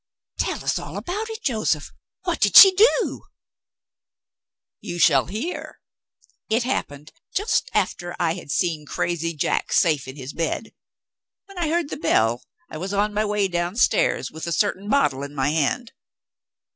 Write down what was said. "Tell us all about it, Joseph! What did she do?" "You shall hear. It happened, just after I had seen crazy Jack safe in his bed. When I heard the bell, I was on my way downstairs, with a certain bottle in my hand.